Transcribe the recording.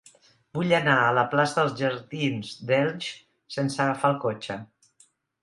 Vull anar a la plaça dels Jardins d'Elx sense agafar el cotxe.